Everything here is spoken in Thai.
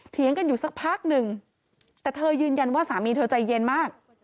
เถียงกันอยู่สักพักหนึ่งแต่เธอยืนยันว่าสามีเธอใจเย็นมาก